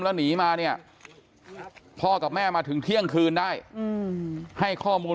แล้วหนีมาเนี่ยพ่อกับแม่มาถึงเที่ยงคืนได้ให้ข้อมูล